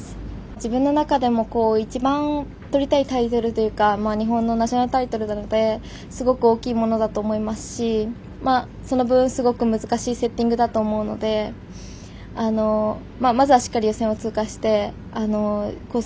自分の中でも一番とりたいタイトルというか日本のナショナルタイトルなのですごく大きいものだと思いますしその分、すごく難しいセッティングだと思うのでまずはしっかり予選を通過してコース